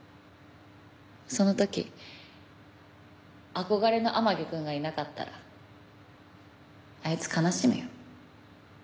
その時憧れの天樹くんがいなかったらあいつ悲しむよ。